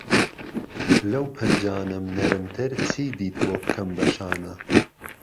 لهو پهنجانهم نهرمتر چی دیت بۆ بکهم به شانه